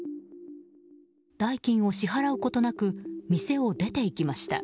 代金を支払うことなく店を出て行きました。